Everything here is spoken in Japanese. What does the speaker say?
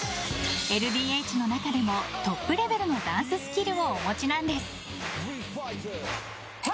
ＬＤＨの中でもトップレベルのダンススキルをお持ちなんです。